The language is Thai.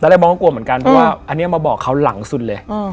แรกมองก็กลัวเหมือนกันเพราะว่าอันนี้มาบอกเขาหลังสุดเลย